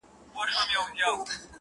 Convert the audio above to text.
دا کیسه ده زموږ د کور او زموږ د کلي .!